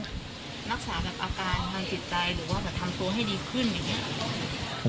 รักษาแล้วฮะรักษาแบบอาการทางติดใจหรือว่าแบบทำตัวให้ดีขึ้นไหมครับ